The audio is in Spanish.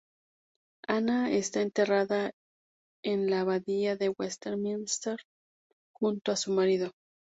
Ana está enterrada en la Abadía de Westminster junto a su marido.